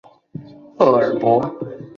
厄尔伯。